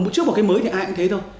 trước một cái mới thì ai cũng thế thôi